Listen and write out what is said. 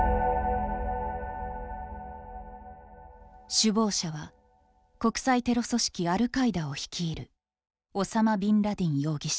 首謀者は国際テロ組織アルカイダを率いるオサマ・ビンラディン容疑者。